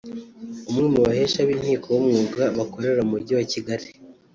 umwe mu bahesha b’inkiko b’umwuga bakorera mu Mujyi wa Kigali